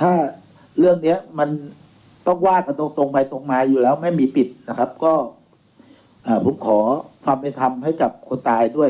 ถ้าเรื่องเนี้ยมันต้องว่ากันตรงตรงไปตรงมาอยู่แล้วไม่มีปิดนะครับก็ผมขอความเป็นธรรมให้กับคนตายด้วย